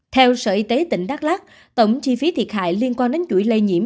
theo sở y tế tỉnh đắk lắc tổng chi phí thiệt hại liên quan đến chuỗi lây nhiễm